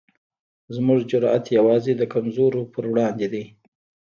زموږ جرئت یوازې د کمزورو پر وړاندې دی.